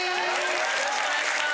よろしくお願いします。